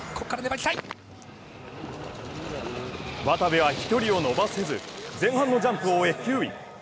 渡部は飛距離を伸ばせず前半のジャンプを終え９位。